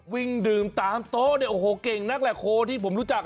วิ่งดื่มตามโต๊ะเก่งนักแหละโคโคที่ผมรู้จัก